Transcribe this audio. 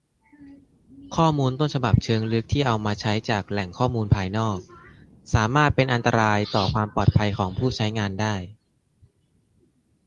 ข้อมูลต้นฉบับเชิงลึกที่เอามาใช้จากแหล่งข้อมูลภายนอก สามารถเป็นอันตรายต่อความปลอดภัยของผู้ใช้งานได้